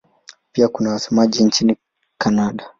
Pia kuna wasemaji nchini Kanada.